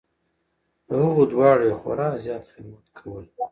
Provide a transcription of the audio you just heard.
د هغو دواړو یې خورا زیات خدمت کول .